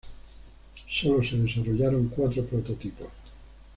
Sólo se desarrollaron cuatro prototipos.